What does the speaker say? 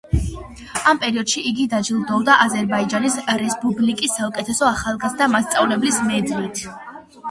ამ პერიოდში იგი დაჯილდოვდა აზერბაიჯანის რესპუბლიკის საუკეთესო ახალგაზრდა მასწავლებლის მედლით.